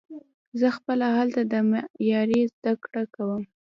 زه خپله هلته د معمارۍ زده کړه کوم.